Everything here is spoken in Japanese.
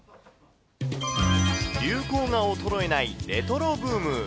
流行が衰えないレトロブーム。